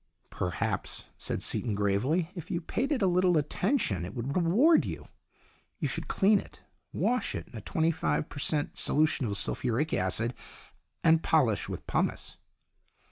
" Perhaps," said Seaton, gravely, " if you paid it a little attention it would reward you. You should clean it. Wash it in a twenty five per cent, solution of sulphuric acid, and polish with pumice."